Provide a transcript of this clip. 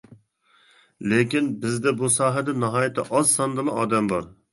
لېكىن، بىزدە بۇ ساھەدە ناھايىتى ئاز ساندىلا ئادەم بار.